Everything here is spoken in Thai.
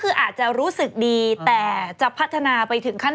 รู้จักกันมาบอกว่าเป็นแฟน